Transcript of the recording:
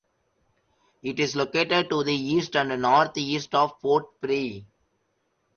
It is located to the east and north-east of Port Pirie.